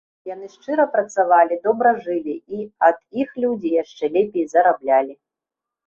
Яны шчыра працавалі, добра жылі і ад іх людзі яшчэ лепей зараблялі.